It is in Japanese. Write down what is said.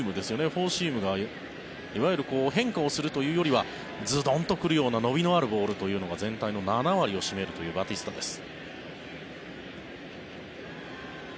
フォーシームがいわゆる変化をするというよりはズドンと来るような伸びのあるボールというのが全体の７割を占めるというバティスタです。